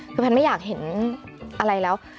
คือแพทย์ไม่อยากเห็นอะไรแล้ว